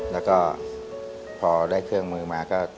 แล้วก็พอได้เครื่องมือมาก็